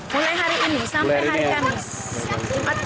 mulai hari ini sampai hari kamis